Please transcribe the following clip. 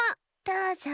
どうぞ。